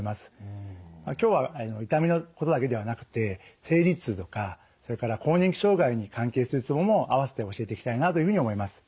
今日は痛みのことだけではなくて生理痛とかそれから更年期障害に関係するツボもあわせて教えていきたいなというふうに思います。